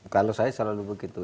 kalau saya selalu begitu